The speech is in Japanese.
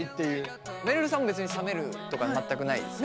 めるるさんも別に冷めるとか全くないですか？